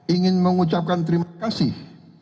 ingin mengucapkan terima kasih